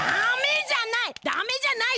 ダメじゃない！